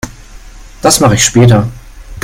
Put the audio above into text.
Das mache ich später.